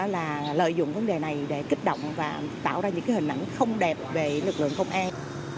là lợi dụng vấn đề này để kích động và tạo ra những hình ảnh không đẹp về lực lượng công an